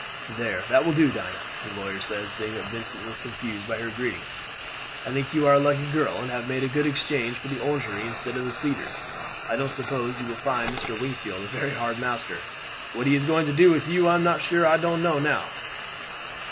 "There, that will do, Dinah," the lawyer said, seeing that Vincent was confused by her greeting. "I think you are a lucky girl, and have made a good exchange for the Orangery instead of the Cedars. I don't suppose you will find Mr. Wingfield a very hard master. What he is going to do with you I am sure I don't know."